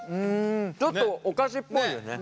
ちょっとお菓子っぽいよね。